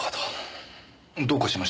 どうかしました？